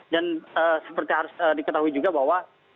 dan seperti harus diketahui juga bahwa